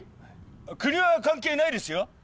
国は関係ないですよえっ？